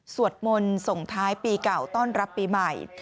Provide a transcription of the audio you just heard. มนต์ส่งท้ายปีเก่าต้อนรับปีใหม่